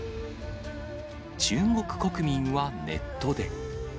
中国国民はネットで。